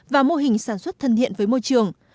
và mô hình sản xuất thân thiện với môi trường